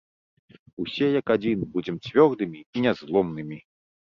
Усе, як адзін, будзем цвёрдымі і нязломнымі!